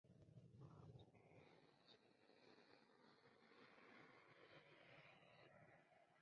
Max counts on them to keep saving the day while he is away.